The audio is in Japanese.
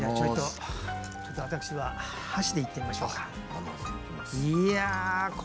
私は箸でいってみましょうか。